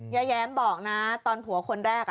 ย้าย้ำบอกนะตอนผัวคนแรก